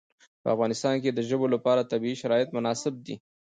په افغانستان کې د ژبو لپاره طبیعي شرایط مناسب دي.